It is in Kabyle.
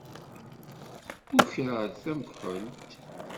Ukreɣ-d tamekḥelt.